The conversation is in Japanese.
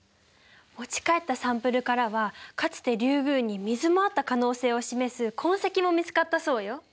持ち帰ったサンプルからはかつてリュウグウに水もあった可能性を示す痕跡も見つかったそうよ。